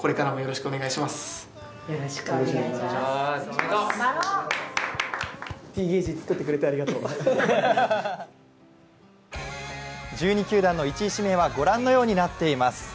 母も涙１２球団の１位指名はご覧のようになっています。